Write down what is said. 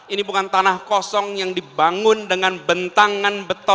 ini bukan tanah kosong yang dibangun dengan bentangan beton